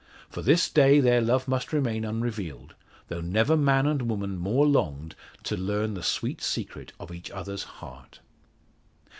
For this day their love must remain unrevealed; though never man and woman more longed to learn the sweet secret of each other's heart.